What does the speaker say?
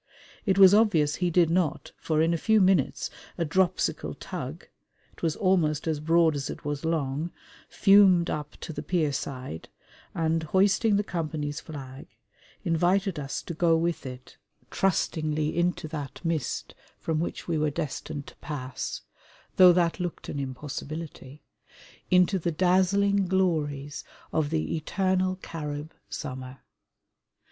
It was obvious he did not, for in a few minutes a dropsical tug it was almost as broad as it was long fumed up to the pierside and, hoisting the company's flag, invited us to go with it trustingly into that mist from which we were destined to pass though that looked an impossibility into the dazzling glories of the Eternal Carib summer.